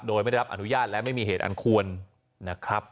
โดยไม่ได้รับอนุญาตและไม่มีเหตุอันควรนะครับ